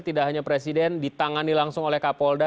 tidak hanya presiden ditangani langsung oleh kapolda